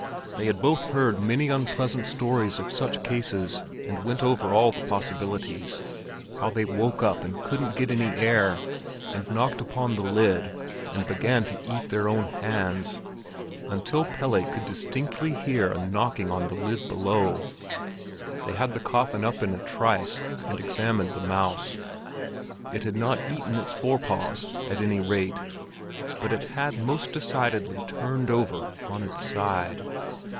They had both heard many unpleasant stories of such cases, and went over all the possibilities—how they woke up and couldn't get any air, and knocked upon the lid, and began to eat their own hands—until Pelle could distinctly hear a knocking on the lid below. They had the coffin up in a trice, and examined the mouse. It had not eaten its forepaws, at any rate, but it had most decidedly turned over on its side.